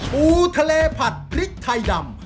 ปูทะเลผัดพริกไทยดำ